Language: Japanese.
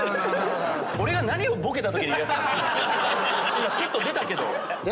今すっと出たけど。